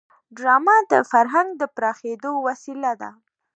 ډرامه د فرهنګ د پراخېدو وسیله ده